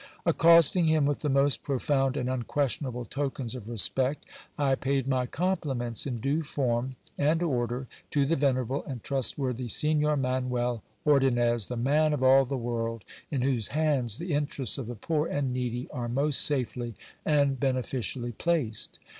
Accosting him with the most profound and unquestionable tokens of respect, I paid my compliments in due form and order to the venerable and trust worthy Signor Manuel Ordonnez, the man of all the world in whose hands the interests of the poor and needy are most safely and beneficially placed.